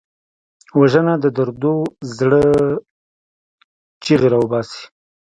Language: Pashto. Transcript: وژنه د دردو زړه چیغې راوباسي